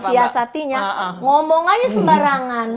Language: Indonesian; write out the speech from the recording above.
siasatinya ngomong aja sembarangan